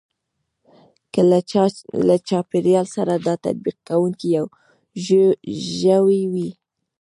که له چاپېريال سره دا تطابق کوونکی يو ژوی وي.